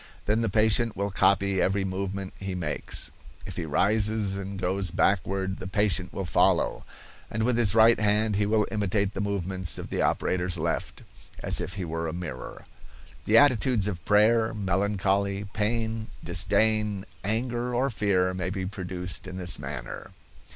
Then the patient will copy every movement he makes. If he rises and goes backward the patient will follow, and with his right hand he will imitate the movements of the operator's left, as if he were a mirror. The attitudes of prayer, melancholy, pain, disdain, anger or fear, may be produced in this manner.